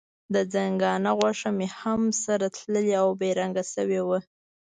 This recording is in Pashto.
د ځنګانه غوښه مې هم سره تللې او بې رنګه شوې وه.